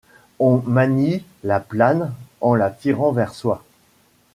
On manie la plane en la tirant vers soi.